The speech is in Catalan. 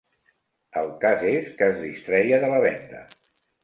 El cas és que es distreia de la venda